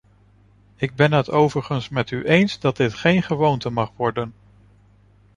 Ik ben het overigens met u eens dat dit geen gewoonte mag worden.